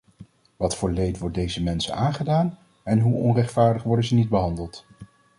Wat voor leed wordt deze mensen aangedaan en hoe onrechtvaardig worden ze niet behandeld!